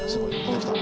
できた。